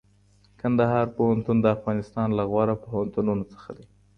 کندهار پوهنتون د افغانستان له غوره پوهنتونونو څخه دئ.